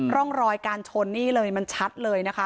ร่องรอยการชนนี่เลยมันชัดเลยนะคะ